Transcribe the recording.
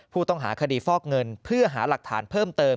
ผู้ต้องหาคดีฟอกเงินเพื่อหาหลักฐานเพิ่มเติม